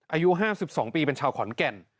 อายุ๕๒ปีเป็นชาวขอนแก่น